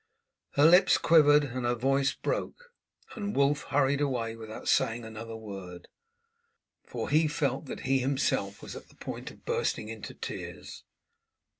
Her lips quivered and her voice broke, and Wulf hurried away without saying another word, for he felt that he himself was at the point of bursting into tears.